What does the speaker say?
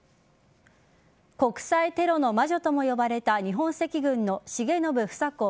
国際テロの魔女とも呼ばれた日本赤軍の重信房子